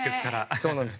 そうなんです。